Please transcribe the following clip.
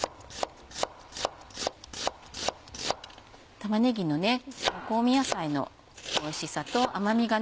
玉ねぎの香味野菜のおいしさと甘みがね。